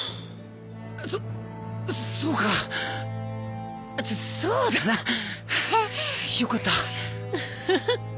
そそうかそそうだなよかったウフフ